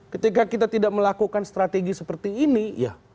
ketika kita tidak melakukan strategi seperti ini ya